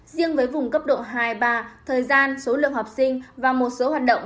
riêng với vùng cấp độ hai ba thời gian số lượng học sinh và một số hoạt động